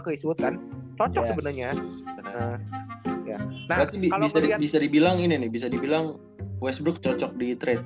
chris wood kan cocok sebenarnya bisa dibilang ini nih bisa dibilang westbrook cocok di trade